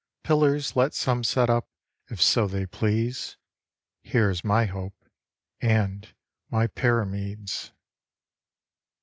Pillars let some set up If so they please; Here is my hope, And my Pyramides.